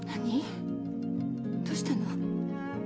どうしたの？